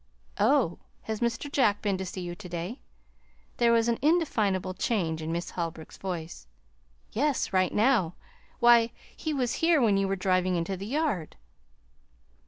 "Oh, has Mr. Jack been to see you to day?" There was an indefinable change in Miss Holbrook's voice. "Yes, right now. Why, he was here when you were driving into the yard."